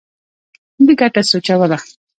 ده ګټه سوچوله.